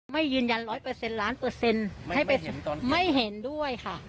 ไม่ยืนยันร้อยเปอร์เซ็นต์ล้านเปอร์เซ็นต์ไม่เห็นด้วยค่ะ